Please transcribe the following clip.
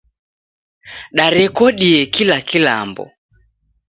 Darekodie kila kilambo.